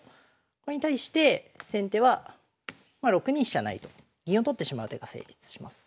これに対して先手はまあ６二飛車成と銀を取ってしまう手が成立します。